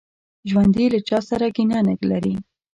ژوندي له چا سره کینه نه لري